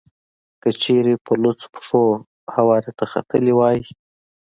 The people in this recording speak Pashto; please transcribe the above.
که چېرې په لوڅو پښو هوارې ته ختلی وای.